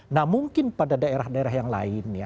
nah mungkin pada daerah daerah yang lain ya